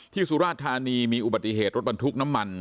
สุราธานีมีอุบัติเหตุรถบรรทุกน้ำมัน